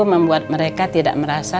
membuat mereka tidak merasa